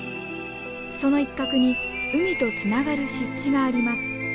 その一角に海とつながる湿地があります。